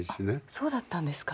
そうだったんですか。